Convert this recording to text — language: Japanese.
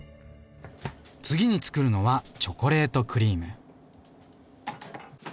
次につくるのは「チョコレートクリーム」。